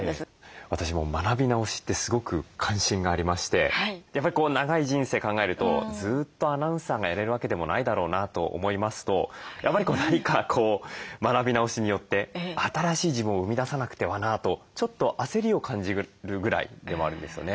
私も学び直しってすごく関心がありましてやっぱり長い人生考えるとずっとアナウンサーがやれるわけでもないだろうなと思いますとやっぱり何かこう学び直しによって新しい自分を生み出さなくてはなとちょっと焦りを感じるぐらいでもあるんですよね。